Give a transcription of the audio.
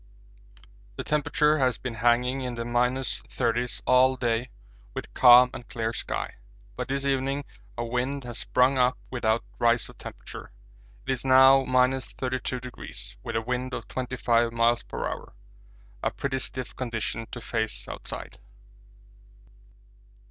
The temperature has been hanging in the minus thirties all day with calm and clear sky, but this evening a wind has sprung up without rise of temperature. It is now 32°, with a wind of 25 m.p.h. a pretty stiff condition to face outside!